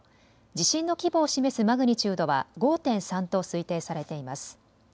地震の規模を示すマグニチュードは５．３と推定されています。